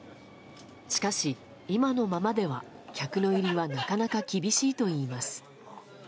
しかし、今のままでは客の入りはなかなか厳しいといいます。